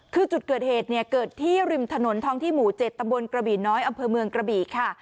คือจุดเกิดเหตุเนี่ยเกิดที่ริมถนนท้องที่หมู่๗ตำบลกระบี่น้อยอำเภอเมืองกระบี่ค่ะ